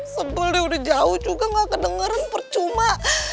sebel deh udah jauh juga nggak kedengeran percuma